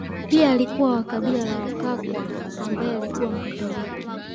Pia alikuwa wa kabila la Wakakwa ambaye alikuwa Mkatoliki